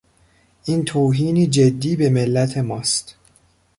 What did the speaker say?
این توهینی جدی به ملت ماست.